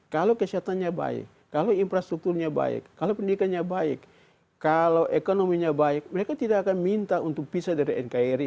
kalau kesehatannya baik kalau infrastrukturnya baik kalau pendidikannya baik kalau ekonominya baik mereka tidak akan minta untuk pisah dari nkri